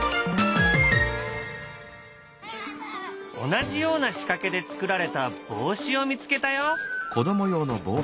同じような仕掛けで作られた帽子を見つけたよ。